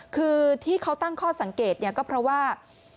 คือที่เขาตั้งข้อสังเกตเนี่ยก็เพราะว่า